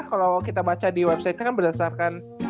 kalau kita baca di websitenya kan berdasarkan